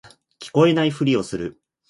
聞こえないふりをする